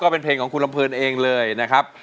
เป็นเพลงของคุณลำเพลินเองเลยนะครับ